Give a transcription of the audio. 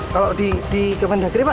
kalau di kementerian negeri pak